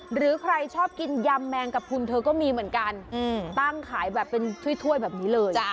หรือใครชอบกินยำแมงกระพุนเธอก็มีเหมือนกันตั้งขายแบบเป็นถ้วยแบบนี้เลย